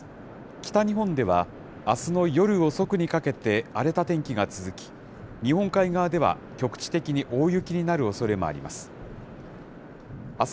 北日本では、あすの夜遅くにかけて荒れた天気が続き、日本海側では局地的に大雪になるおそれもあります。